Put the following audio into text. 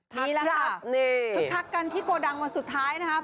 ทักครับพึ่งทักกันที่โกดังวันสุดท้ายนะครับ